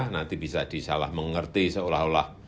nanti bisa disalah mengerti seolah olah